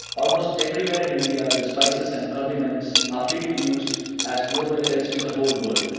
Almost everywhere in India, the spices and condiments are freely used, as nowhere else in the whole world.